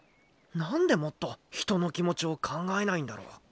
何でもっと人の気持ちを考えないんだろう。